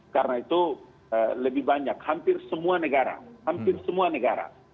karena itu lebih banyak hampir semua negara hampir semua negara